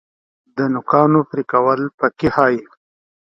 د نوکانو پرې کول پاکي ښیي.